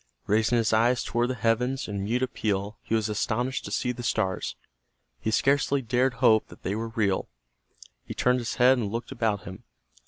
Raising his eyes toward the heavens in mute appeal he was astonished to see the stars. He scarcely dared hope that they were real. He turned his head and looked about him.